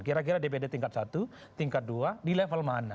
kira kira dpd tingkat satu tingkat dua di level mana